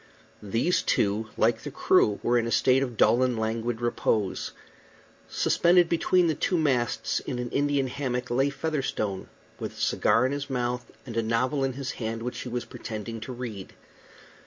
These two, like the crew, were in a state of dull and languid repose. Suspended between the two masts, in an Indian hammock, lay Featherstone, with a cigar in his mouth and a novel in his hand, which he was pretending to read.